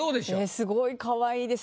すごい可愛いです。